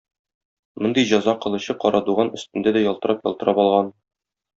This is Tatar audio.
Мондый жәза кылычы Карадуган өстендә дә ялтырап-ялтырап алган.